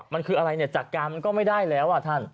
มันคืออะไรจากกามันก็ไม่ได้แล้วท่าน